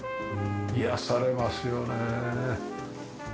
癒やされますよね。